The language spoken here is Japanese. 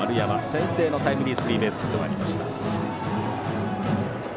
先制のタイムリースリーベースヒットがありました。